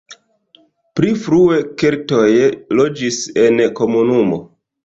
Pli frue keltoj loĝis en la komunumo.